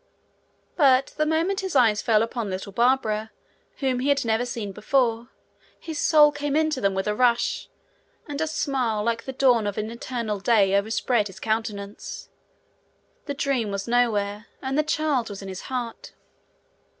But the moment his eyes fell upon little Barbara, whom he had never seen before, his soul came into them with a rush, and a smile like the dawn of an eternal day overspread his countenance; the dream was nowhere, and the child was in his heart.